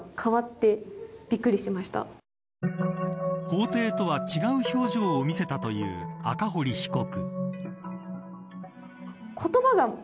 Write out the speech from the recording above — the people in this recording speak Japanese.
法廷とは違う表情を見せたという赤堀被告。